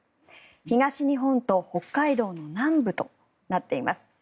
東日本と北海道の南部となっています。